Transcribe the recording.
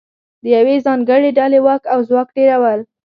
د یوې ځانګړې ډلې واک او ځواک ډېرول